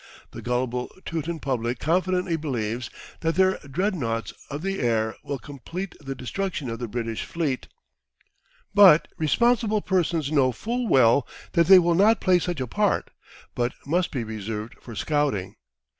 The gullible Teuton public confidently believes that their Dreadnoughts of the air will complete the destruction of the British fleet, but responsible persons know full well that they will not play such a part, but must be reserved for scouting.